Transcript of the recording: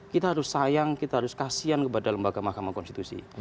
kita harus sayang kita harus kasihan kepada lembaga mahkamah konstitusi